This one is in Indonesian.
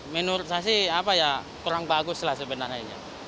menurut saya sih kurang bagus lah sebenarnya